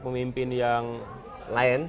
pemimpin yang lain